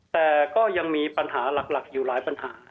แต่ก็ยังมีปัญหาหลักอยู่หลายปัญหา